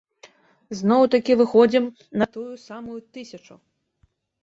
Зноў-такі выходзім на тую самую тысячу.